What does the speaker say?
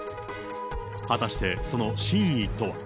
果たしてその真意とは。